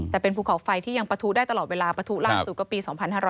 แต่เป็นภูเขาไฟที่ยังประทุได้ตลอดเวลาปะทุล่าสุดก็ปี๒๕๕๙